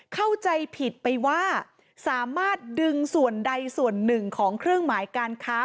เข้าใจผิดไปว่าสามารถดึงส่วนใดส่วนหนึ่งของเครื่องหมายการค้า